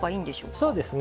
そうですね。